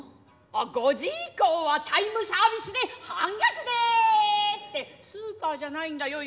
あ五時以降はタイムサービスで半額ですってスーパーじゃないんだよ